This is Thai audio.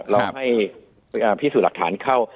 เราให้พิสูจน์หลักฐานเข้า